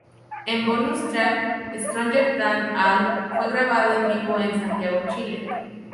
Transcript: El bonus track "Stronger than all" fue grabado en vivo en Santiago, Chile.